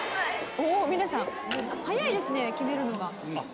おっ皆さん早いですね決めるのが。